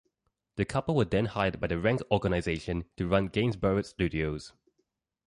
The couple were then hired by the Rank Organisation to run Gainsborough Studios.